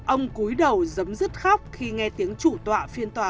ông cúi đầu giấm rứt khóc khi nghe tiếng chủ tọa phiên tòa